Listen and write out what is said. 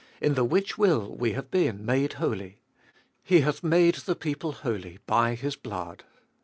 In the which will we have been made holy. He hath made the people holy by His blood.